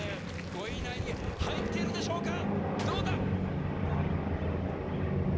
５位以内に入っているでしょうか